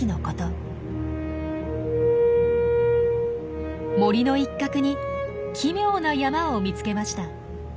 森の一角に奇妙な山を見つけました。